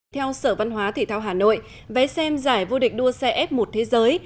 theo sở văn hóa thể thao hà nội vé xem giải vô địch đua xe f một thế giới